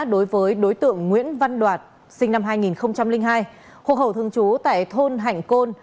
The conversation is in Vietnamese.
đối với đối tượng nguyễn văn đoạt sinh năm hai nghìn hai hộ hậu thương chú tại thôn hành côn